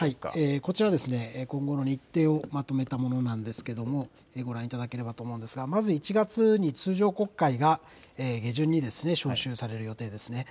こちらですね、今後の日程をまとめたものなんですけども、ご覧いただければと思うんですが、まず１月に通常国会が下旬に召集される予定ですね。